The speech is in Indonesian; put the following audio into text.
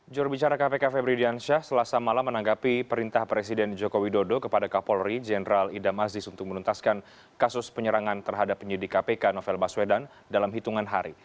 jurubicara kpk febri diansyah selasa malam menanggapi perintah presiden joko widodo kepada kapolri jenderal idam aziz untuk menuntaskan kasus penyerangan terhadap penyidik kpk novel baswedan dalam hitungan hari